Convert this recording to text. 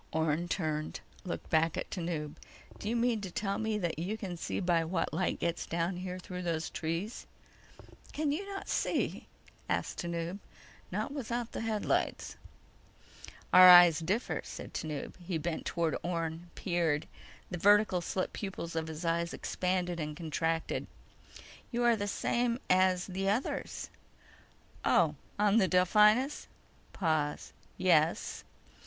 Orne turned, looked back at Tanub. "Do you mean to tell me that you can see by what light gets down here through those trees?" "Can you not see?" asked Tanub. "Not without the headlights." "Our eyes differ," said Tanub. He bent toward Orne, peered. The vertical slit pupils of his eyes expanded, contracted. "You are the same as the ... others." "Oh, on the Delphinus?" Pause. "Yes."